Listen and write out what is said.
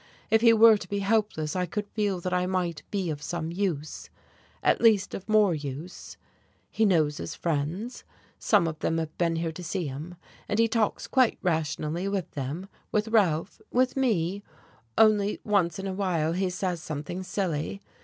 If he were to be helpless, I could feel that I might be of some use, at least of more use. He knows his friends. Some of them have been here to see him, and he talks quite rationally with them, with Ralph, with me, only once in a while he says something silly.